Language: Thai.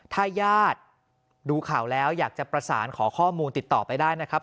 ถ้าญาติดูข่าวแล้วอยากจะประสานขอข้อมูลติดต่อไปได้นะครับ